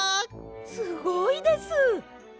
すごいです！